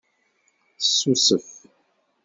Tessusef.